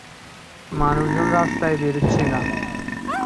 মানুষজন রাস্তায় বেরুচ্ছে না।